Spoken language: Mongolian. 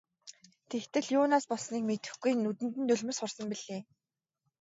Тэгтэл юунаас болсныг мэдэхгүй нүдэнд нь нулимс хурсан билээ.